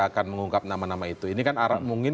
akan mengungkap nama nama itu ini kan mungkin